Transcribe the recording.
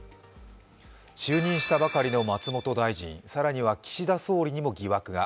就任したばかりの松本大臣、更には岸田総理にも疑惑が。